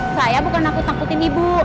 saya bukan aku takutin ibu